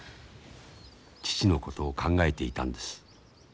父のことを考えていたんです。